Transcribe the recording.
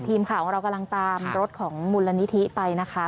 ทีมข่าวของเรากำลังตามรถของมูลนิธิไปนะคะ